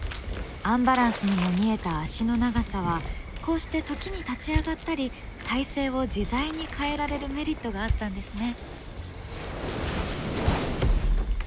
アンバランスにも見えた足の長さはこうして時に立ち上がったり体勢を自在に変えられるメリットがあったんですね。